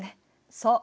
そう。